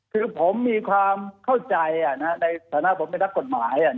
คือผมมีความเข้าใจในฐานะผมเป็นนักกฎหมาย